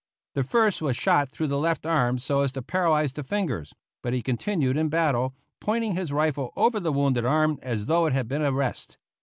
The first was shot through the left arm so as to paralyze the fingers, but he continued in battle, pointing his rifle over the wounded arm as though it had been a rest.